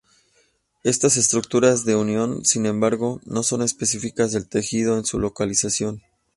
Estas estructuras de unión, sin embargo, no son específicas del tejido en su localización.